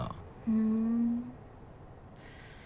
ふん。